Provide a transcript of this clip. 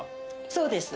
そうです。